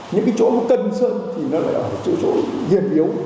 những cái chỗ mà cần sơn thì nó lại ở chỗ hiền hiếu